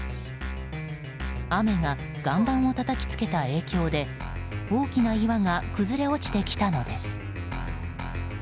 雨が岩盤をたたきつけた影響で大きな岩が崩れ落ちてきたのです。